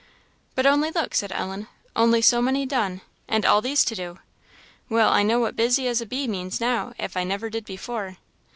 "But only look," said Ellen "only so many done, and all these to do! Well, I know what 'busy as a bee' means now, if I never did before."